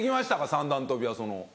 三段跳びはその。